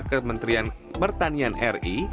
kementerian pertanian ri